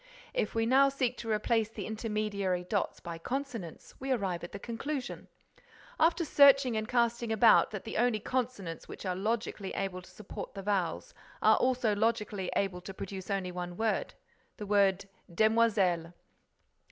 If we now seek to replace the intermediary dots by consonants, we arrive at the conclusion, after searching and casting about, that the only consonants which are logically able to support the vowels are also logically able to produce only one word, the word demoiselles."